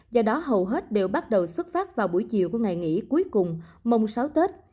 do đó hầu hết đều bắt đầu xuất phát vào buổi chiều của ngày nghỉ cuối cùng mông sáu tết